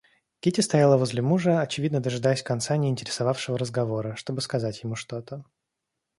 Кити стояла возле мужа, очевидно дожидаясь конца неинтересовавшего разговора, чтобы сказать ему что-то.